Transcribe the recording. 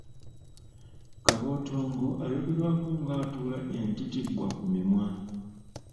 Kabootongo ayogerwko ng’atuula entitibbwa ku mimwa.